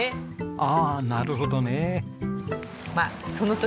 ああなるほどね。